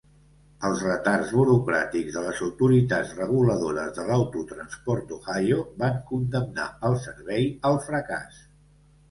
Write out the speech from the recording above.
Els retards burocràtics de les autoritats reguladores de l'autotransport d'Ohio van condemnar el servei al fracàs.